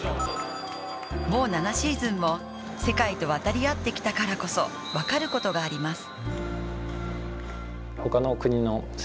もう７シーズンも世界と渡り合ってきたからこそ分かることがあります